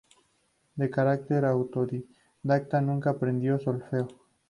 De carácter autodidacta, nunca aprendió solfeo.